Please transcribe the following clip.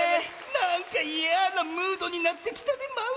なんかいやなムードになってきたでマウス。